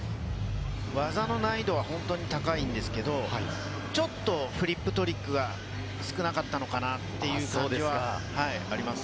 技の難易度は本当に高いんですけど、ちょっとフリップトリックが少なかったのかなっていう感じはあります。